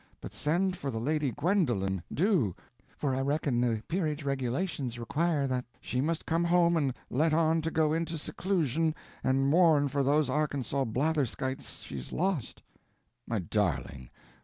But send for the Lady Gwendolen—do; for I reckon the peerage regulations require that she must come home and let on to go into seclusion and mourn for those Arkansas blatherskites she's lost." "My darling!